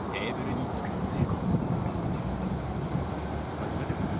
始めてくれ。